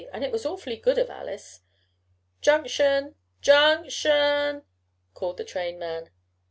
"And it was awfully good of Alice." "Junction! Junct shon!" called the trainman.